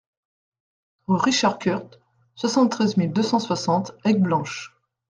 Rue Richard Curt, soixante-treize mille deux cent soixante Aigueblanche